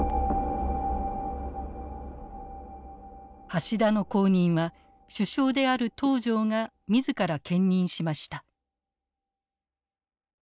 橋田の後任は首相である東條が自ら兼任しました。